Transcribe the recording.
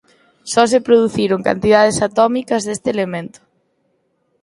Só se produciron cantidades atómicas deste elemento.